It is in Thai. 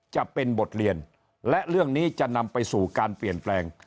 จะเป็นบทเรียนและเรื่องนี้จะนำไปสู่การเปลี่ยนแปลง